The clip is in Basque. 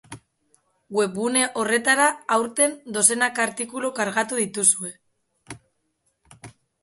Webgune horretara, aurten, dozenaka artikulu kargatu dituzue.